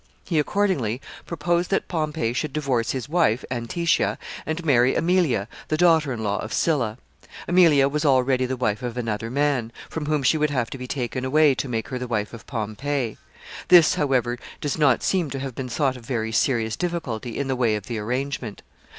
He accordingly proposed that Pompey should divorce his wife Antistia, and marry Aemilia, the daughter in law of Sylla. Aemilia was already the wife of another man, from whom she would have to be taken away to make her the wife of Pompey. This, however, does not seem to have been thought a very serious difficulty in the way of the arrangement.